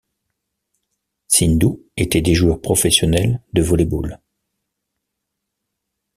Sindhu étaient des joueurs professionnels de volley-ball.